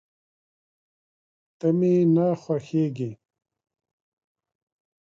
ته مي نه خوښېږې !